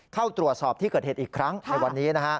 เข้าตรวจสอบที่เกิดเหตุอีกครั้งในวันนี้